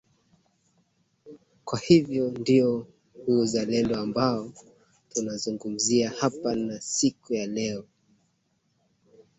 kwa hivyo ndio huo uzalendo ambao tunauzungumzia hapa na siku ya leo